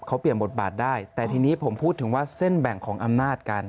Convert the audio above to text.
เขาเปลี่ยนบทบาทได้แต่ทีนี้ผมพูดถึงว่าเส้นแบ่งของอำนาจกัน